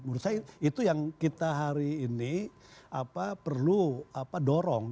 menurut saya itu yang kita hari ini perlu dorong